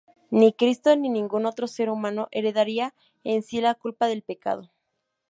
Ni Cristo ni ningún otro ser humano heredaría en sí la culpa del pecado.